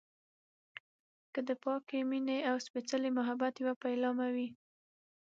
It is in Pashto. که د پاکې مينې او سپیڅلي محبت يوه پيلامه وي.